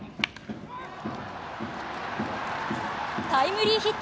タイムリーヒット！